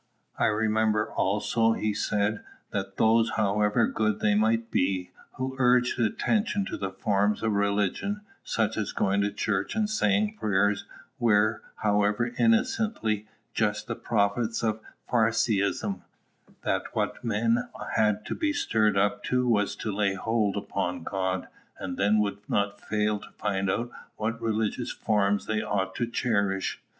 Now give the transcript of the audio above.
I remember also he said, that those, however good they might be, who urged attention to the forms of religion, such as going to church and saying prayers, were, however innocently, just the prophets of Pharisaism; that what men had to be stirred up to was to lay hold upon God, and then they would not fail to find out what religious forms they ought to cherish.